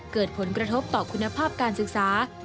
เกิดผลกระทบต่อคุณภาพการศึกษา